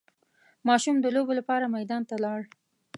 ماشوم د لوبو لپاره میدان ته لاړ.